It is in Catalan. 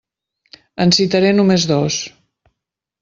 En citaré només dos.